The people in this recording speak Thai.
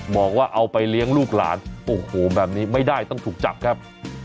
บอกว่าเอาไปเลี้ยงลูกหลานโอ้โหแบบนี้ไม่ได้ต้องถูกจับครับ